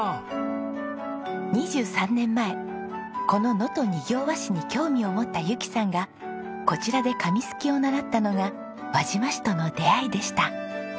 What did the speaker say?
２３年前この能登仁行和紙に興味を持った由紀さんがこちらで紙すきを習ったのが輪島市との出会いでした。